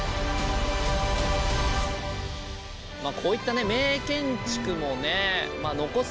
まあこういったね名建築もね残す